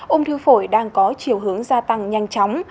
ung thư phổi đang có chiều hướng gia tăng nhanh chóng